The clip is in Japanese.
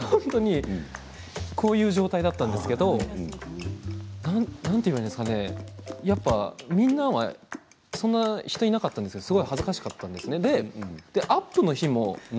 こういう状態だったんですけれどやっぱり、みんなはそんなに人はいなかったんですけど恥ずかしかったんですね。